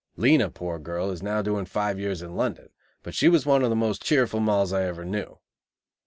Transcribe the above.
Lena, poor girl, is now doing five years in London, but she was one of the most cheerful Molls I ever knew.